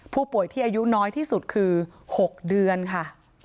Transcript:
ผู้ป่วยที่อายุน้อยที่สุดคือ๖เดือนค่ะ